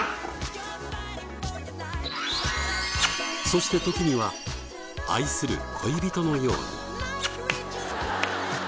そして時には愛する恋人のように。